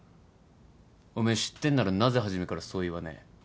おめえ知ってんならなぜ初めからそう言わねえ？